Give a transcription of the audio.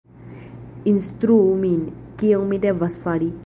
Instruu min, kion mi devas fari!